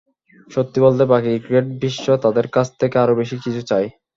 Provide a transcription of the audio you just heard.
সত্যি বলতে, বাকি ক্রিকেট-বিশ্ব তাদের কাছ থেকে আরও বেশি কিছু চায়।